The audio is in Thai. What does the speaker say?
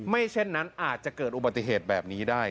เช่นนั้นอาจจะเกิดอุบัติเหตุแบบนี้ได้